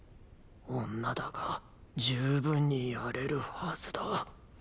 女だが十分にやれるはずだ。